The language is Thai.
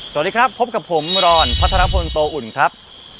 สวัสดีครับพบกับผมรอนพัทรพลโตอุ่นครับ